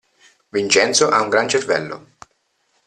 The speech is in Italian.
Vincenzo ha un gran cervello.